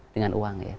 dengan uang ya